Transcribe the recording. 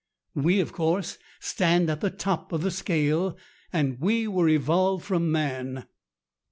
We, of course, stand at the top of the scale, and we were evolved from man."